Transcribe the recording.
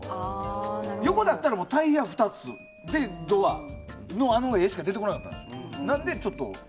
横だったらタイヤ２つでドアのあの絵しか出てこなかった。